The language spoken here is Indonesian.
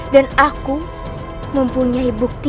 dan aku mempunyai bukti